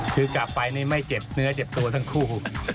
คือกลับไปนี่ไม่เจ็บเนื้อเจ็บตัวทั้งคู่